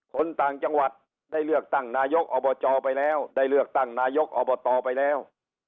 คนต่างจังหวัดได้เลือกตั้งนายกอบจไปแล้วได้เลือกตั้งนายกอบตไปแล้ว